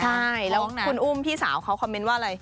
ใช่แล้วคุณอุ้มพี่สาวเขาคอมเมนต์ว่าอะไร